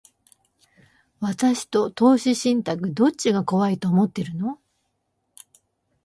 私と投資信託、どっちが怖いと思ってるの？